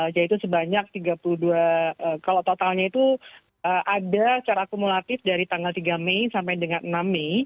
yaitu sebanyak tiga puluh dua kalau totalnya itu ada secara akumulatif dari tanggal tiga mei sampai dengan enam mei